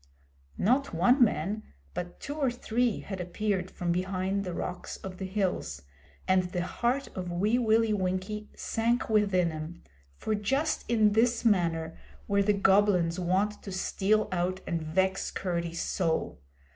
Not one man but two or three had appeared from behind the rocks of the hills, and the heart of Wee Willie Winkie sank within him, for just in this manner were the Goblins wont to steal out and vex Curdie's soul.